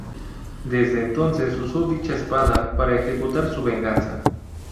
Desde entonces usó dicha espada para ejecutar su venganza.